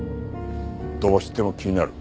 どうしても気になる。